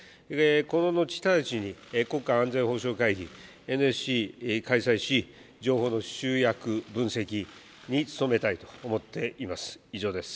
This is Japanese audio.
この後、直ちに国家安全保障会議・ＮＳＣ開催し、情報の集約、分析に努めたいと思っています。